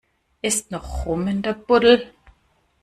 Ist noch Rum in der Buddel?